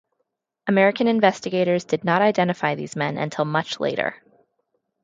American investigators did not identify these men until much later.